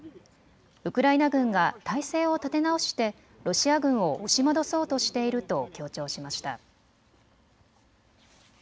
ウクライナ軍が態勢を立て直してロシア軍を押し戻そうとしていると強調しました。